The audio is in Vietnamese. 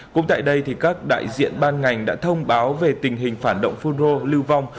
cũng tại đây các đại diện ban ngành đã thông báo về tình hình phản động phun rô lưu vong